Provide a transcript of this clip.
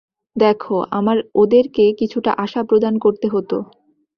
দেখো, আমার ওদেরকে কিছুটা আশা প্রদান করতে হতো।